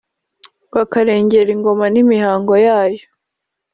bakarengera ingoma n’imihango yayo